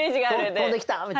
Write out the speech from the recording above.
飛んできた！